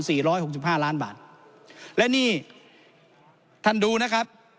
ร้อยหกสิบห้าล้านบาทและนี่ท่านดูนะครับ